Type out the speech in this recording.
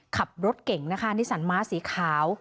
ขับรถเก่งนะคะนิสันม้าสีขาว